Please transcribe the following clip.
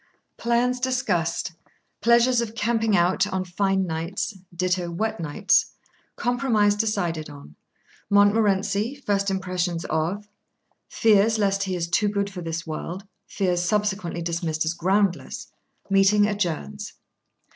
Plans discussed.—Pleasures of "camping out," on fine nights.—Ditto, wet nights.—Compromise decided on.—Montmorency, first impressions of.—Fears lest he is too good for this world, fears subsequently dismissed as groundless.—Meeting adjourns.